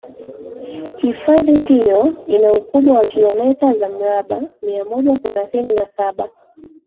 Hifadhi hiyo ina ukubwa wa kilometa za mraba mia moja thelathini na saba